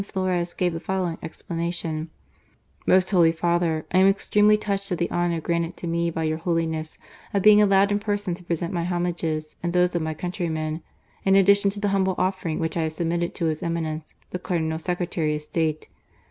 Flores gave the following explanation :" Most Holy Father, I am extremely touched at the honour granted to me by your Holiness of being allowed in person to present my homages, and those of my countrymen, in .addition to the humble offer ing which I have submitted to His Eminence, the Cardinal Secretary of State.